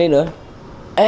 nhưng mà sau này đi